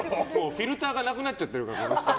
フィルターがなくなっちゃってるから。